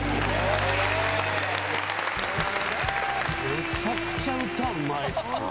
めちゃくちゃ歌うまいっすね。